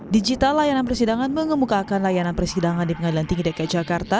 digital layanan persidangan mengemukakan layanan persidangan di pengadilan tinggi dki jakarta